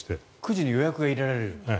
９時に予約が入れられる。